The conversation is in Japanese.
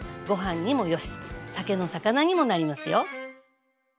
ご飯にもよし酒の肴にもなりますよ。